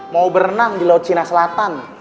mau berenang di laut cina selatan